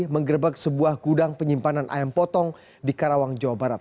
menggerebek sebuah gudang penyimpanan ayam potong di karawang jawa barat